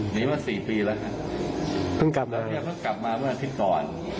หนีมา๔ปีแล้วครับเพิ่งกลับมาเมื่ออาทิตย์ก่อน